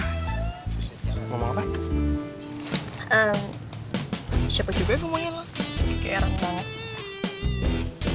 pertama selama perjalanan kita harus saling mengawasi